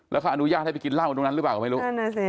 ราคาอนุญาตให้ไปกินร่างตรงนั้นหรือเปล่าไม่รู้